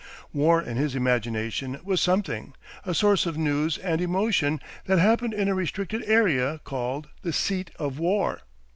War in his imagination was something, a source of news and emotion, that happened in a restricted area, called the Seat of War.